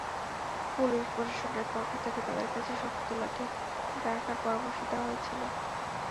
Police প্রশাসনের পক্ষ থেকে তাঁদের কাছে শক্ত লাঠি রাখার পরামর্শ দেওয়া হয়েছিল।